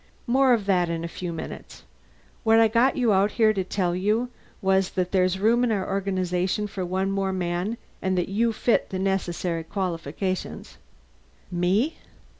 More of that in a few minutes. What I got you out here to tell you was that there's room in our organization for one more man, and that you fit the necessary qualifications." "Me?"